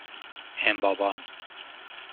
امبابان